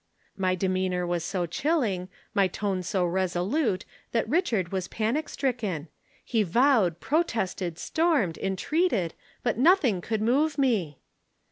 "My demeanor was so chilling, my tone so resolute that Richard was panic stricken. He vowed, protested, stormed, entreated, but nothing could move me.